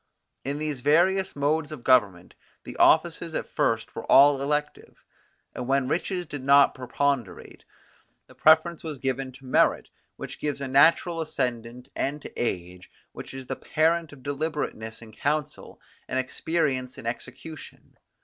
In these various modes of government the offices at first were all elective; and when riches did not preponderate, the preference was given to merit, which gives a natural ascendant, and to age, which is the parent of deliberateness in council, and experience in execution.